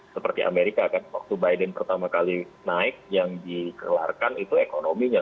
seperti amerika kan waktu biden pertama kali naik yang dikelarkan itu ekonominya